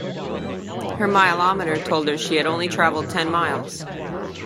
Her mileometer told her that she had only travelled ten miles